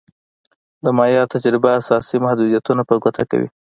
د مایا تجربه اساسي محدودیتونه په ګوته کوي.